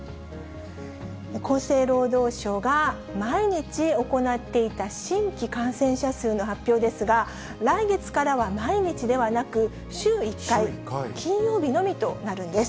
厚生労働省が毎日行っていた新規感染者数の発表ですが、来月からは毎日ではなく、週１回、金曜日のみとなるんです。